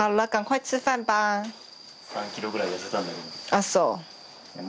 あっそう。